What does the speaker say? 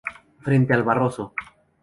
Frente al Barroso.